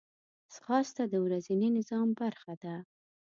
ځغاسته د ورځني نظام برخه ده